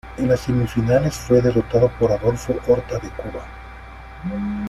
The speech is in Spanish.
En las semifinales fue derrotado por Adolfo Horta de Cuba.